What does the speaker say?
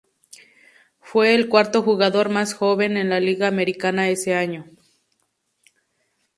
Fue el cuarto jugador más joven en la Liga Americana ese año.